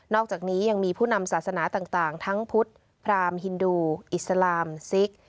อกจากนี้ยังมีผู้นำศาสนาต่างทั้งพุทธพรามฮินดูอิสลามซิก